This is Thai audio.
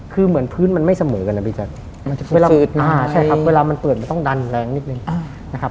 คือเหมือนพื้นมันไม่เสมอกันนะพี่แจ๊คใช่ครับเวลามันเปิดมันต้องดันแรงนิดนึงนะครับ